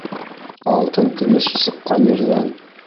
Алтын-көмөш сыҡҡан ерҙән